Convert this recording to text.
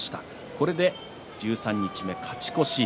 これで十三日目、勝ち越し。